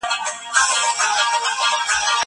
زه پرون کالي مينځل.